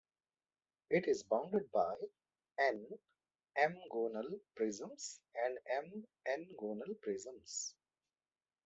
It is bounded by "n" "m"-gonal prisms and "m" "n"-gonal prisms.